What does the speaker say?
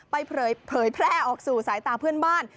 เผยแพร่ออกสู่สายตาเพื่อนบ้าน